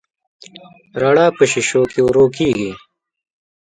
رڼا په شیشو کې ورو کېږي.